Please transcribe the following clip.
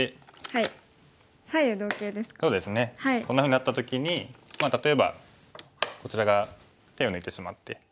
こんなふうになった時にまあ例えばこちら側手を抜いてしまって。